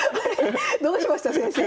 どうしました先生。